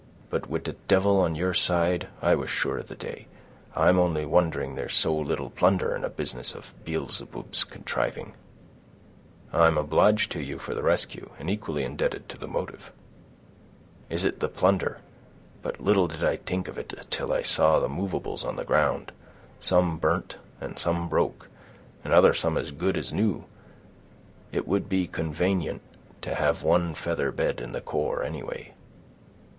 But wid the divil on your side, I was sure of the day. I'm only wondering there's so little plunder, in a business of Beelzeboob's contriving." "I'm obliged to you for the rescue, and equally indebted to the motive." "Is it the plunder? But little did I t'ink of it till I saw the movables on the ground, some burnt, and some broke, and other some as good as new. It would be convanient to have one feather bed in the corps, anyway."